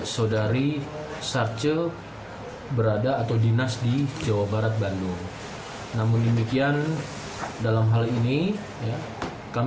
pemirsa pampung dan pemirsa jawa barat menjelaskan bahwa keadaan pampung dan jawa barat